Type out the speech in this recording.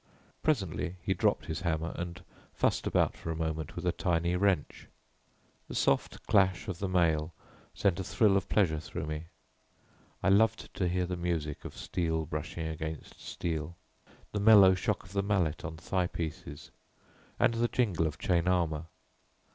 Presently he dropped his hammer, and fussed about for a moment with a tiny wrench. The soft clash of the mail sent a thrill of pleasure through me. I loved to hear the music of steel brushing against steel, the mellow shock of the mallet on thigh pieces, and the jingle of chain armour.